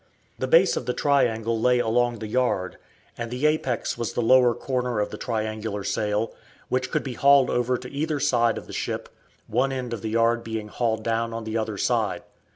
The base of the triangle lay along the yard, and the apex was the lower corner of the triangular sail, which could be hauled over to either side of the ship, one end of the yard being hauled down on the other side.